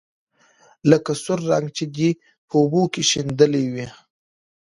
لکه سور رنګ چې دې په اوبو کې شېندلى وي.